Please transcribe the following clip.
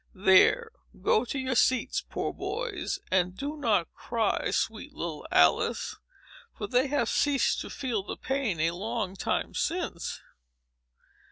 There, go to your seats, poor boys; and do not cry, sweet little Alice; for they have ceased to feel the pain, a long time since.